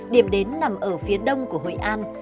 điểm đến nằm ở phía đông của hội an